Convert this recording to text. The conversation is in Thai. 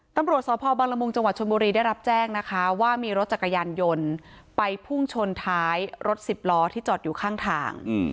ตำรวจสพบังละมุงจังหวัดชนบุรีได้รับแจ้งนะคะว่ามีรถจักรยานยนต์ไปพุ่งชนท้ายรถสิบล้อที่จอดอยู่ข้างทาง